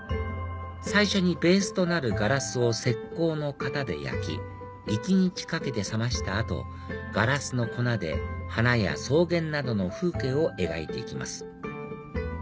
最初にベースとなるガラスを石こうの型で焼き一日かけて冷ました後ガラスの粉で花や草原などの風景を描いて行きます